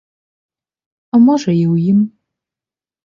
А можа, і ў ім.